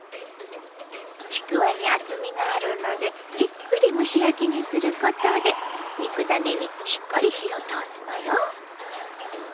ちくわに厚みがあるのでじっくり蒸し焼きにすることで肉ダネにしっかり火を通すのよ。